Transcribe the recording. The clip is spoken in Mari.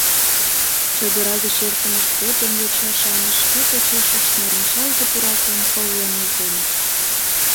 Чодыра гоч эртымышт годым йоча-шамыч шке почешышт нарынчалге пуракым пылла нӧлтеныт.